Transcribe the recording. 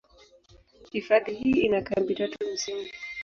Hifadhi hii ina kambi tatu msingi.